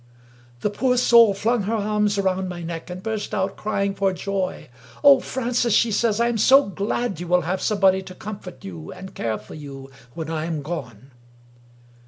The poor soul flung her arms round my neck, and burst out crying for joy. " Oh, Francis! " she says, " I am so glad you will have somebody to comfort you and care for you when I am gone!"